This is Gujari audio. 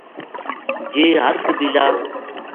جے ہر قبیلہ